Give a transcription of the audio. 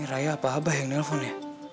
raya apa abah yang nelfon ya